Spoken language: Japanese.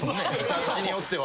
雑誌によっては。